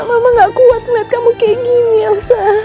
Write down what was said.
mama gak kuat liat kamu kayak gini ya sayang